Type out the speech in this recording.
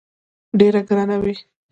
ډېره ګرانه وي.